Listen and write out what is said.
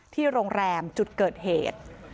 ที่โรงแรมจุดเกิดเหตุ